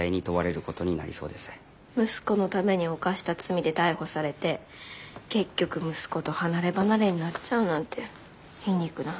息子のために犯した罪で逮捕されて結局息子と離れ離れになっちゃうなんて皮肉な話。